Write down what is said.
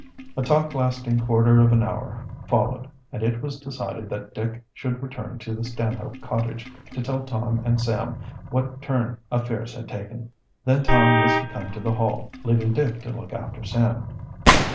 A talk lasting quarter of an hour followed, and it was decided that Dick should return to the Stanhope cottage, to tell Tom and Sam what turn affairs had taken. Then Tom was to come to the Hall, leaving Dick to look after Sam.